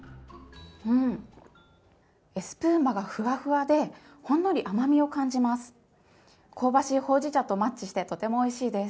エスプーマがふわふわでほんのり甘みを感じます。